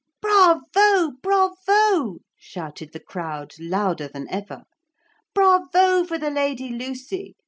'Bravo! Bravo!' shouted the crowd louder than ever. 'Bravo, for the Lady Lucy!